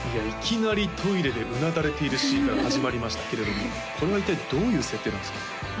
いきなりトイレでうなだれているシーンから始まりましたけれどもこれは一体どういう設定なんですか？